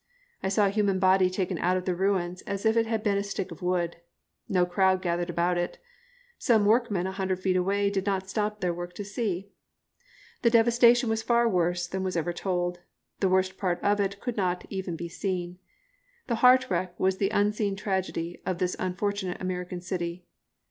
I saw a human body taken out of the ruins as if it had been a stick of wood. No crowd gathered about it. Some workmen a hundred feet away did not stop their work to see. The devastation was far worse than was ever told. The worst part of it could not even be seen. The heart wreck was the unseen tragedy of this unfortunate American city.